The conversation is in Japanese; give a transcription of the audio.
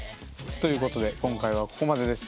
ということで今回はここまでです。